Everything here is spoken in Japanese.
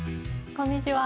こんにちは。